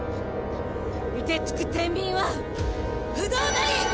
凍てつく天秤は不動なり！